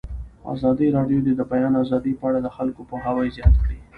ازادي راډیو د د بیان آزادي په اړه د خلکو پوهاوی زیات کړی.